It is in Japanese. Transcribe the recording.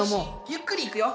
ゆっくりいくよ。